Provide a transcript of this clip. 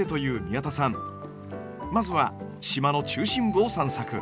まずは島の中心部を散策。